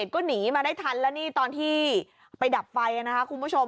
ก็หนีมาได้ทันแล้วนี่ตอนที่ไปดับไฟนะคะคุณผู้ชม